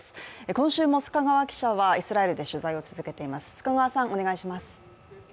今週も須賀川記者はイスラエルで取材を続けています。